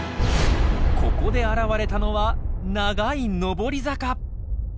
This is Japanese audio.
ここで現れたのは長い登り坂。